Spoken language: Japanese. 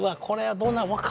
これはどうなる？